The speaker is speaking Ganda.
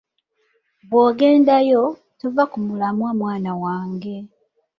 Bw’ogendayo, tova ku mulamwa mwana wange.